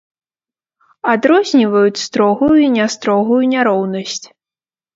Адрозніваюць строгую і нястрогую няроўнасць.